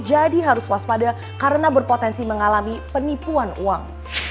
jadi harus waspada karena berpotensi mengalami penipuan uang